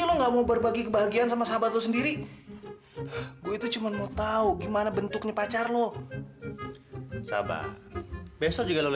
men gue itu penasaran sama pacar lo itu